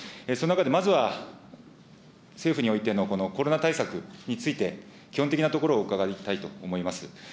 その中でまずは、政府においてのこのコロナ対策について、基本的なところをお伺いしたいと思います。